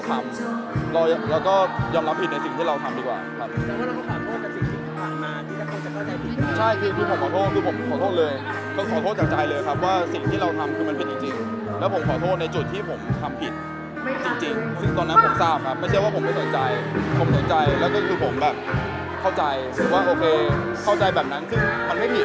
ตอนนี้ก็ยังไม่ได้เลยครับตอนนี้ก็ยังไม่ได้เลยครับตอนนี้ก็ยังไม่ได้เลยครับตอนนี้ก็ยังไม่ได้เลยครับตอนนี้ก็ยังไม่ได้เลยครับตอนนี้ก็ยังไม่ได้เลยครับตอนนี้ก็ยังไม่ได้เลยครับตอนนี้ก็ยังไม่ได้เลยครับตอนนี้ก็ยังไม่ได้เลยครับตอนนี้ก็ยังไม่ได้เลยครับตอนนี้ก็ยังไม่ได้เลยครับตอนนี้ก็ยังไม่ได้เลยครับตอนนี้ก